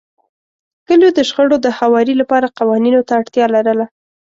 کلیو د شخړو د هواري لپاره قوانینو ته اړتیا لرله.